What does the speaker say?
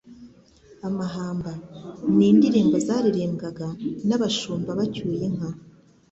Amahamba: Ni indirimbo zaririmbwaga n'abashumba bacyuye inka.